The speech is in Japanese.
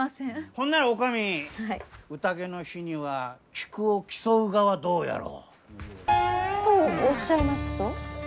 ほんなら女将宴の日には菊を競うがはどうやろう？とおっしゃいますと？